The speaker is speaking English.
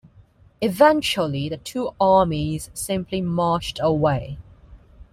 Eventually, the two armies simply marched away.